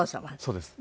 そうです。